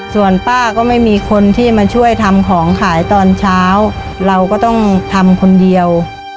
ส่วนป้าก็ไม่มีคนที่มาช่วยทำของขายตอนเช้าเราก็ต้องทำคนเดียว